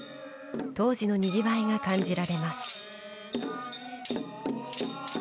当時のにぎわいが感じられます。